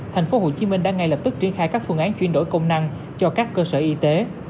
thành phố hồ chí minh đã ngay lập tức triển khai các phương án chuyển đổi công năng cho các cơ sở y tế